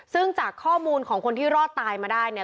ซึ่งจากข้อมูลของคนที่รอดตายมาได้เนี่ย